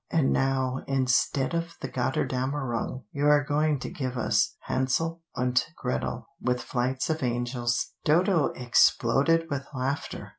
And now instead of the 'Götterdämmerung' you are going to give us 'Hänsel und Gretel' with flights of angels." Dodo exploded with laughter.